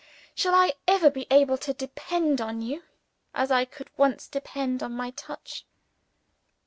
shall I ever be able to depend on you as I could once depend on my touch?